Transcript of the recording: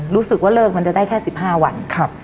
รู้สึกว่าเลิกมันจะได้แค่๑๕วัน